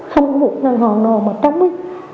không có một ngân hồn nào mà trống ý